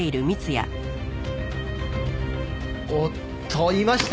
おっといました。